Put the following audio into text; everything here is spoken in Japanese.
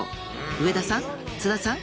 上田さん津田さん